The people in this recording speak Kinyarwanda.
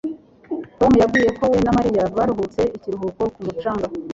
tom yambwiye ko we na mariya baruhutse ikiruhuko ku mucanga